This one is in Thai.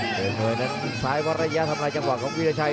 เอกอำนวยนั้นซ้ายวรรยาทำลายจังหวะของวิลชัย